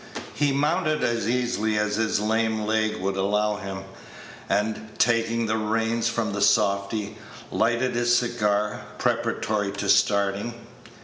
He mounted as easily as his lame leg would allow him, and, taking the reins from the softy, lighted his cigar, preparatory to starting.